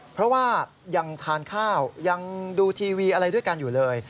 เพราะว่ายังทานข้าวยังดูทีวีอะไรด้วยกันอยู่เลย